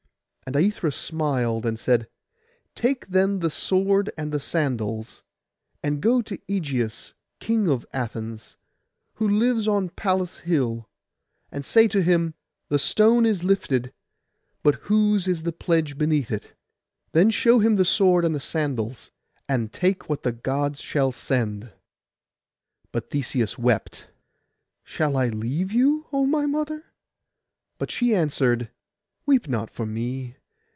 And Aithra smiled, and said, 'Take, then, the sword and the sandals, and go to Ægeus, king of Athens, who lives on Pallas' hill; and say to him, "The stone is lifted, but whose is the pledge beneath it?" Then show him the sword and the sandals, and take what the Gods shall send.' But Theseus wept, 'Shall I leave you, O my mother?' But she answered, 'Weep not for me.